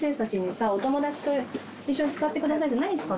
「お友達と一緒に使ってください」って何使ってた？